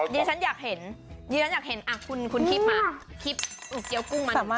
เดี๋ยวฉันอยากเห็นคุณคลิปมาคลิปเกี้ยวกุ้งมาหนู